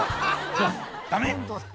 「ダメ？」